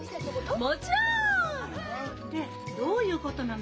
もちろん！ねえどういうことなの？